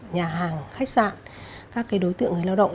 nhà hàng khách sạn các đối tượng người lao động